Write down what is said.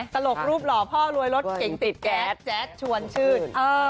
ตลกรูปหล่อพ่อรวยรถเก่งติดแก๊สแจ๊ดชวนชื่น